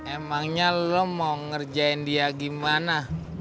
emangnya lo mau ngerjain dia gimana